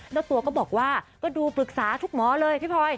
เจ้าตัวก็บอกว่าก็ดูปรึกษาทุกหมอเลยพี่พลอย